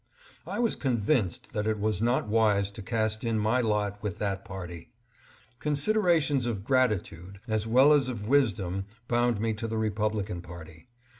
I was convinced that it was not wise to cast in my lot with that party. Considerations of gratitude as well as of wisdom bound me to the Republi can party.